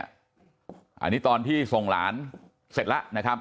อันนี้ตอนที่ส่งหลานเสร็จแล้วนะครับ